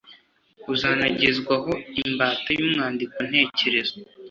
Uzanagezwaho imbata y’umwandiko ntekerezo,